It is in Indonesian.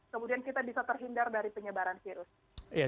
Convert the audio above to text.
kemudian kita bisa terhindar dari penyebaran virus